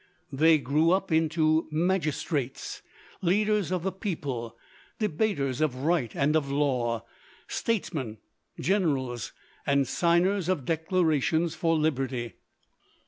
They grew up into magistrates, leaders of the people, debaters of right and of law, statesmen, generals, and signers of declarations for liberty.